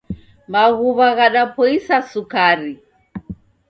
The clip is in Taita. Maghuw'a ghadapoisa sukari.